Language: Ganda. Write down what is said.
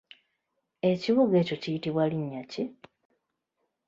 Ekibuga ekyo kiyitibwa linnya ki?